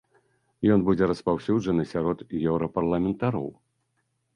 Ён будзе распаўсюджаны сярод еўрапарламентароў.